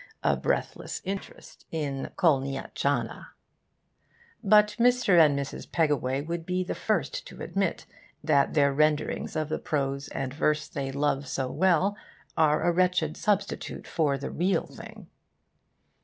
a breathless interest in Kolniyatschiana. But Mr. and Mrs. Pegaway would be the first to admit that their renderings of the prose and verse they love so well are a wretched substitute for the real thing.